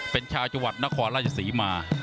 เป็นชาวจังหวัดนครราชศรีมา